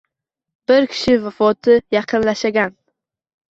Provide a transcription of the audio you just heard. Bir kishi vafoti yaqinlashagan.